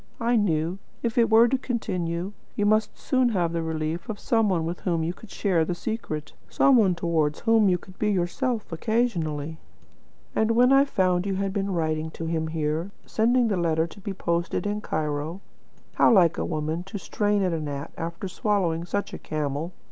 I knew, if it were to continue, you must soon have the relief of some one with whom to share the secret, some one towards whom you could be yourself occasionally. And when I found you had been writing to him here, sending the letter to be posted in Cairo (how like a woman, to strain at a gnat, after swallowing such a camel!)